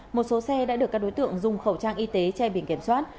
một số xe đã được các đối tượng dùng khẩu trang y tế che biển kiểm soát